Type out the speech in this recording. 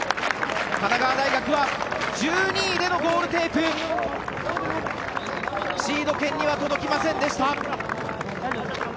神奈川大学は１２位でのゴールテープシード圏には届きませんでした。